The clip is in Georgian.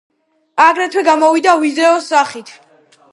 აგრეთვე გამოვიდა ვიდეოს სახით.